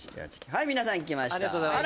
はい皆さんきました